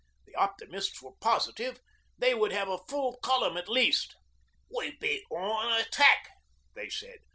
The optimists were positive they would have a full column at least. 'We beat on an attack,' they said.